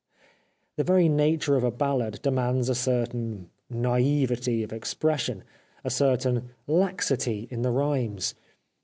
The very nature of a ballad demands a certain naivete of expression, a certain laxity in the rhymes.